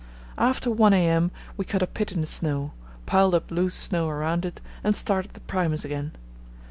After 1 a.m. we cut a pit in the snow, piled up loose snow around it, and started the Primus again.